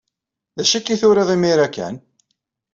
D acu akka ay turiḍ imir-a kan?